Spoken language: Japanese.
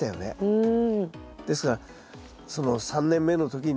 うん。